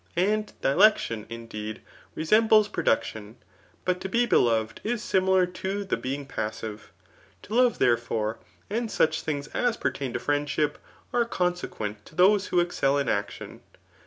And dilecdon, indeed, resem ble production; but to be beloved is similar to the being passive. To love^ therefore, and such things as pertab to friwdship, are consequent to those who excd, in action.